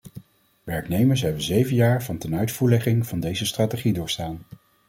Werknemers hebben zeven jaar van tenuitvoerlegging van deze strategie doorstaan.